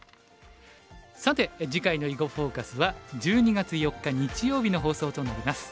さて次回の「囲碁フォーカス」は１２月４日日曜日の放送となります。